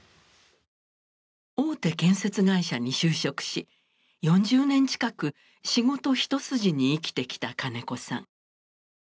大手建設会社に就職し４０年近く仕事一筋に生きてきた金子さん。